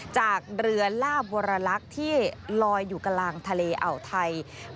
จากเรือลาบลารักที่รอยอยู่กระรางทะเลอาทัย